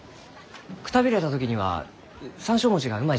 くたびれた時には山椒餅がうまいじゃろ。